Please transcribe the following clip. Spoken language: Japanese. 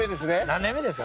何年目ですか？